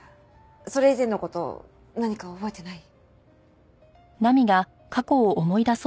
それ以前の事何か覚えてない？